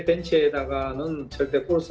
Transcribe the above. kami menangkan gol bersama